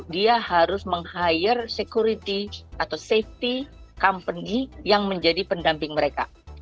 dia harus meng hire security atau safety company yang menjadi pendamping mereka